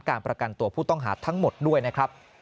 การประกันตัวผู้ต้องหาทั้งหมดด้วยนะครับ